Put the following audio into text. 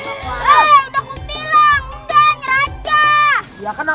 hey udah gue bilang